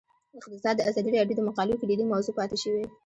اقتصاد د ازادي راډیو د مقالو کلیدي موضوع پاتې شوی.